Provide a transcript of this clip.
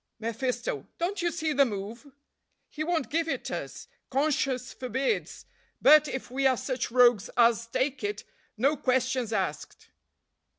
mephisto. "Don't you see the move? he won't give it us, conscience forbids; but, if we are such rogues as take it, no questions asked."